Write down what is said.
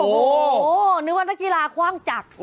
โอ้โหนึกว่านักกีฬาคว่างจักร